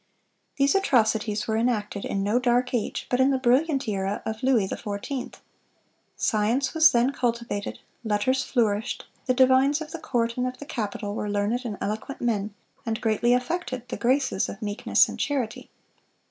"These atrocities were enacted ... in no dark age, but in the brilliant era of Louis XIV. Science was then cultivated, letters flourished, the divines of the court and of the capital were learned and eloquent men, and greatly affected the graces of meekness and charity."